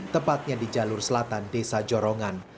tepatnya di jalur selatan desa jorongan